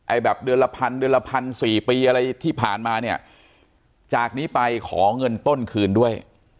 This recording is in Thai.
แบบเดือนละพันเดือนละพันสี่ปีอะไรที่ผ่านมาเนี่ยจากนี้ไปขอเงินต้นคืนด้วย